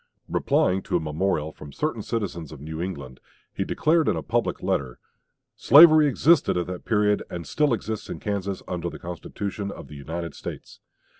Replying to a memorial from certain citizens of New England, he declared in a public letter, "Slavery existed at that period, and still exists in Kansas, under the Constitution of the United States.